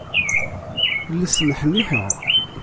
La sneḥniḥeɣ.